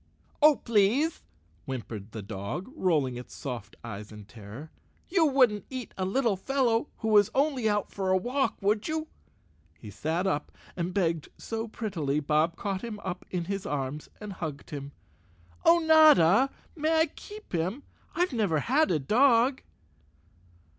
"Oh, please," whimpered the dog, rolling its soft 150 Chapter Eleven eyes in terror. "You wouldn't eat a little fellow who was only out for a walk, would you?" He sat up and begged so prettily Bob caught him up in his arms and hugged him. "Oh, Notta, may I keep him? I've never had a dog!"